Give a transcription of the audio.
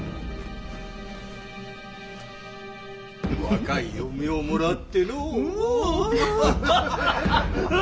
若い嫁をもらってのう。